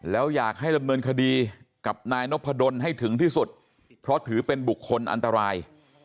แล้วอยากให้ดำเนินคดีกับนายนพดลให้ถึงที่สุดเพราะถือเป็นบุคคลอันตราย